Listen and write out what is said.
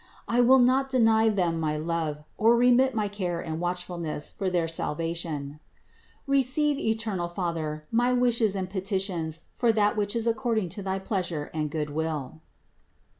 I will not deny them my love, or remit my care and watchfulness for their salvation. Receive, eternal God, my wishes 406 CITY OF GOD and petitions for that which is according to thy pleasure and good will."